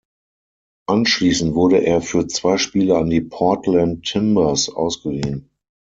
Anschließend wurde er für zwei Spiele an die Portland Timbers ausgeliehen.